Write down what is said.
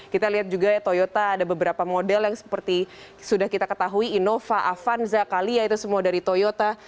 kita lihat juga toyota ada beberapa model yang seperti sudah kita ketahui innova avanza calia itu semua dari toyota